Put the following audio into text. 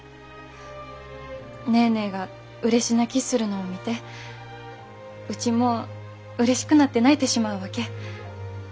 ネーネーがうれし泣きするのを見てうちもうれしくなって泣いてしまうわけ。